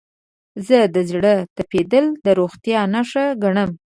زه د زړه تپیدل د روغتیا نښه ګڼم.